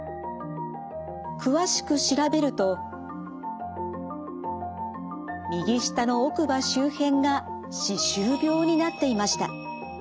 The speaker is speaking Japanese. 詳しく調べると右下の奥歯周辺が歯周病になっていました。